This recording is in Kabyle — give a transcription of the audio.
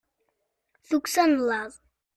tukksa n laẓ